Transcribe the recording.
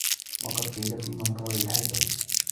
وَقَدْ قِيلَ فِي مَنْثُورِ الْحِكَمِ